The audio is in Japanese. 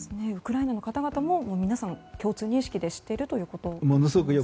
ウクライナの方々も皆さん共通認識で知っているということですか。